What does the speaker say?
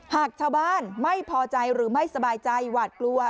หากชาวบ้านไม่พอใจหรือไม่สบายใจหวาดกลัว